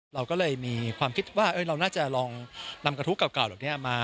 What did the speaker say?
เราก็เลยมีความคิดว่าเราน่าจะลองนำกระทู้เก่าเหล่านี้มา